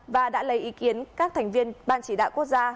và đã lấy ý kiến các thành viên ban chỉ đạo quốc gia